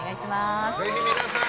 ぜひ皆さん